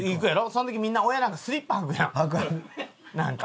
その時みんな親なんかスリッパ履くやんなんか。